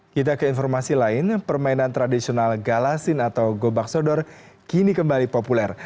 kita ke informasi lain permainan tradisional galasin atau gobak sodor kini kembali populer